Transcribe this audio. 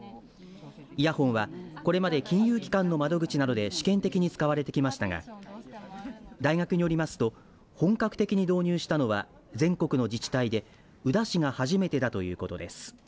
イヤホンはこれまで金融機関の窓口などで試験的に使われてきましたが大学によりますと本格的に導入したのは全国の自治体で、宇陀市が初めてだということです。